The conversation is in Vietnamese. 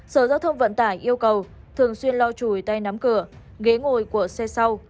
sở giao thông vận tải yêu cầu thường xuyên lau chùi tay nắm cửa ghế ngồi của xe sau